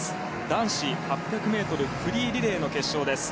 男子８００ｍフリーリレーの決勝です。